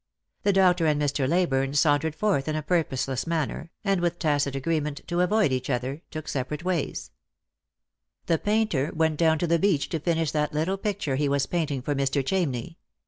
The doctor and Mr. Leyburne sauntered forth in a purposeless manner, and with tacit agreement to avoid each other, took separate ways The painter went down to the beach to finish that little pic ture he was painting for Mr. Chamney.